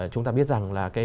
chúng ta biết rằng là